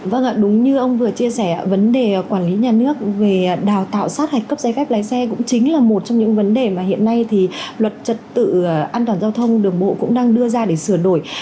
vâng ạ đúng như ông vừa chia sẻ vấn đề quản lý nhà nước về đào tạo sát hạch cấp giấy phép lái xe cũng chính là một trong những vấn đề mà hiện nay thì luật trật tự an toàn giao thông đường bộ cũng đang đưa ra để sửa đổi